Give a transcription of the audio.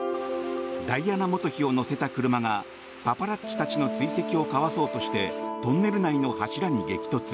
ダイアナ元妃を乗せた車がパパラッチたちの追跡をかわそうとしてトンネル内の柱に激突。